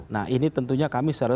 nah ini tentunya kami secara